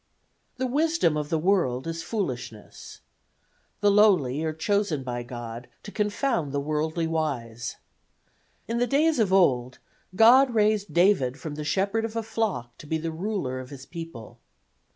"The wisdom of the world is foolishness. The lowly are chosen by God to confound the worldly wise. In the days of old God raised David from the shepherd of a flock to be the ruler of His people.